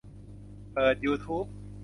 เปิดยูทูบ